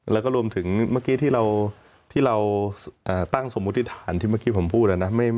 แล้วก็รวมถึงเมื่อกี้ที่เราตั้งสมมุติฐานที่เมื่อกี้ผมพูดนะ